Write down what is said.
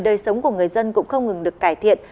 đời sống của người dân cũng không ngừng được cải thiện